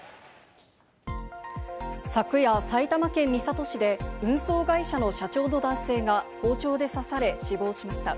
昨夜、埼玉県三郷市で運送会社の社長の男性が包丁で刺され死亡しました。